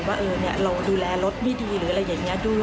ว่าเราดูแลรถไม่ดีหรืออะไรอย่างนี้ด้วย